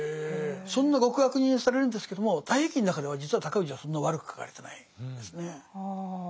そんな極悪人にされるんですけども「太平記」の中では実は尊氏はそんな悪く書かれてないですね。